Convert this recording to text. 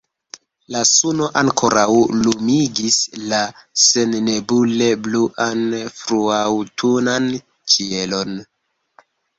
La suno ankoraŭ lumigis la sennebule bluan fruaŭtunan ĉielon.